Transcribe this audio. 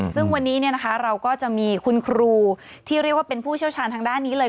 ซึ่งวันนี้เราก็จะมีคุณครูที่เรียกว่าเป็นผู้เชี่ยวชาญทางด้านนี้เลย